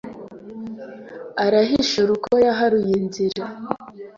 arahishura uko yaharuye inzira